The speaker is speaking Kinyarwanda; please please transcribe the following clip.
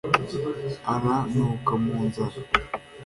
ara nuka mu nzara